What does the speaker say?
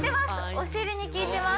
お尻にきいてます